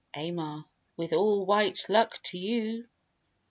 AMAR. With all white luck to you.